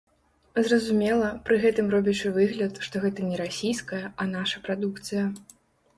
Зразумела, пры гэтым робячы выгляд, што гэта не расійская, а наша прадукцыя.